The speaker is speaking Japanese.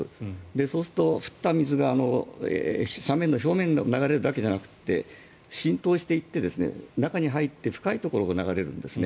そうすると降った水が斜面の表面を流れるだけじゃなくて浸透していって中に入って深いところを流れるんですね。